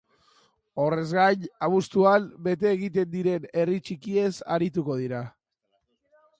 Horrez gain, abuztuan bete egiten diren herri txikiez arituko dira.